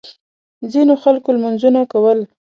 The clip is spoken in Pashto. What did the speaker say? ځینو خلکو لمونځونه کول.